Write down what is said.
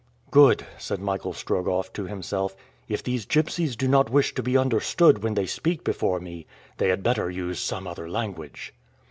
"Good!" said Michael Strogoff, to himself; "if these gipsies do not wish to be understood when they speak before me, they had better use some other language."